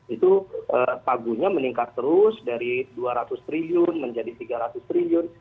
itu pagunya meningkat terus dari dua ratus triliun menjadi rp tiga ratus triliun